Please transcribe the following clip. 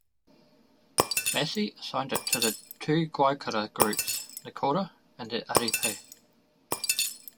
Massey assigned it to two Guaycura groups, the Cora and the Aripe.